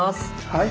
はい。